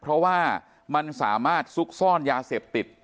เพราะว่ามันสามารถซุกซ่อนยาเสพติด